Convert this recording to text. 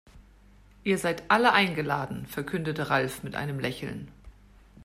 Ihr seid alle eingeladen, verkündete Ralf mit einem Lächeln.